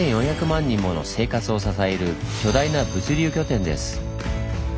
人もの生活を支える巨大な物流拠点です。